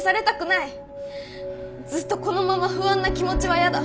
ずっとこのまま不安な気持ちは嫌だ。